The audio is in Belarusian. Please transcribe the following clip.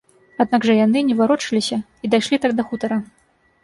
Аднак жа яны не варочаліся і дайшлі так да хутара.